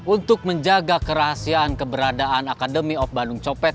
untuk menjaga kerahasiaan keberadaan akademi of bandung copet